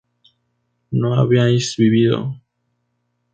¿no habíais vivido?